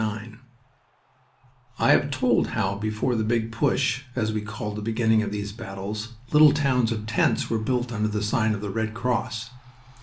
IX I have told how, before "The Big Push," as we called the beginning of these battles, little towns of tents were built under the sign of the Red Cross.